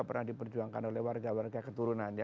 pernah diperjuangkan oleh warga warga keturunannya